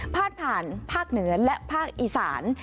พาดผ่านภาคเหนือและภาคอีสาน